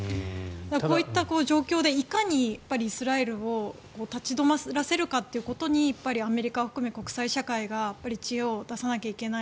こういった状況でいかにイスラエルを立ち止まらせるかというところにアメリカを含め国際社会が知恵を出さないといけない